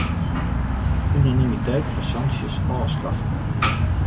Unanimiteit foar sanksjes ôfskaffe.